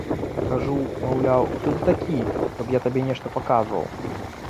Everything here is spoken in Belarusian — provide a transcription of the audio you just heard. Кажу, маўляў, хто ты такі, каб я табе нешта паказваў.